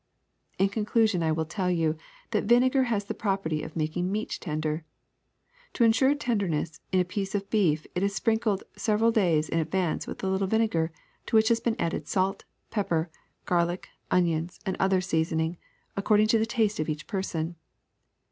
*^In conclusion I will tell you that vinegar has the property of making meat tender. To insure tender ness in a piece of beef it is sprinkled several days in advance with a little vinegar to which have been added salt, pepper, garlic, onions, and other season ing, according to the taste of each person.